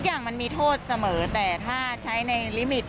แต่ว่าถ้ามุมมองในทางการรักษาก็ดีค่ะ